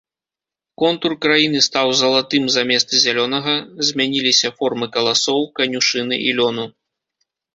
Контур краіны стаў залатым замест зялёнага, змяніліся формы каласоў, канюшыны і лёну.